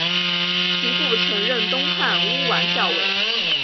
其父曾任东汉乌丸校尉。